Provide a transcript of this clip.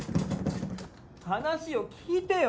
話を聞いてよ！